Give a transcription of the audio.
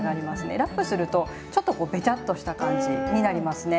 ラップするとちょっとこうべちゃっとした感じになりますね。